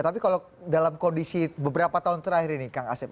tapi kalau dalam kondisi beberapa tahun terakhir ini kang asep